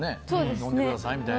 飲んでくださいみたいな。